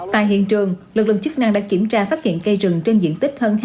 tại hiện trường lực lượng chức năng đã kiểm tra phát hiện cây rừng trên diện tích hơn hai m hai